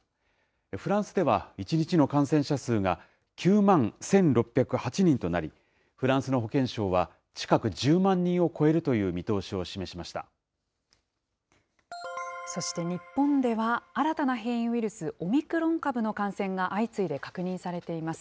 フランスでは１日の感染者数が、９万１６０８人となり、フランスの保健省は、近く、１０万人を超そして日本では、新たな変異ウイルス、オミクロン株の感染が相次いで確認されています。